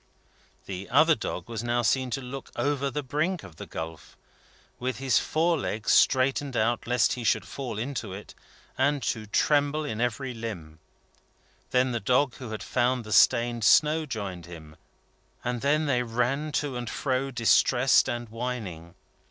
The other dog was now seen to look over the brink of the gulf, with his fore legs straightened out, lest he should fall into it, and to tremble in every limb. Then the dog who had found the stained snow joined him, and then they ran to and fro, distressed and whining.